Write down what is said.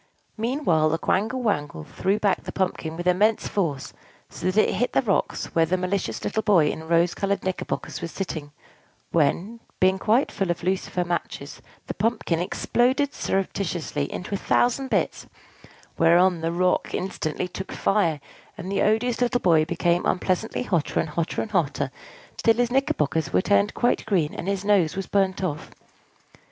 Meanwhile the Quangle Wangle threw back the pumpkin with immense force, so that it hit the rocks where the malicious little boy in rose colored knickerbockers was sitting; when, being quite full of lucifer matches, the pumpkin exploded surreptitiously into a thousand bits; whereon the rocks instantly took fire, and the odious little boy became unpleasantly hotter and hotter and hotter, till his knickerbockers were turned quite green, and his nose was burnt off.